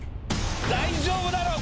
大丈夫だろう！